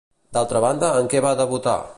D'altra banda, en què va debutar?